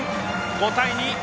５対２。